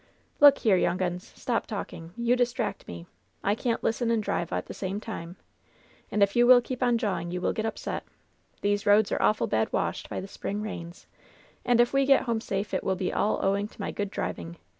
"Look here, young uns! Stop talking; you distract me. I can't listen and drive at the same time. And if you will keep on jawing you'll get upset. These roads are awful bad wadied by the spring rains, and if we get home safe it will be all owing to my good driving